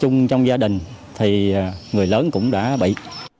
chung trong gia đình thì người lớn cũng đã bị